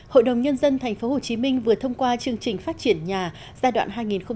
hội đồng nhân dân tp hcm vừa thông qua chương trình phát triển nhà giai đoạn hai nghìn một mươi sáu hai nghìn hai mươi